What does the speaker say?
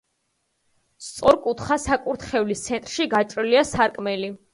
სწორკუთხა საკურთხევლის ცენტრში გაჭრილია სარკმელი.